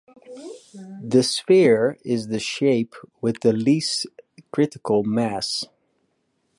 The sphere is the shape with the least critical mass.